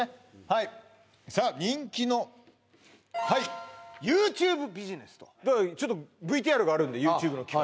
はいさあ人気のはいＹｏｕＴｕｂｅビジネスとちょっとＶＴＲがあるんでＹｏｕＴｕｂｅの企画